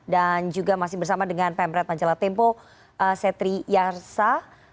dan juga masih bersama dengan pemret majalah tempo setri yarsa